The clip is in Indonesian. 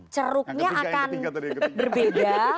ceruknya akan berbeda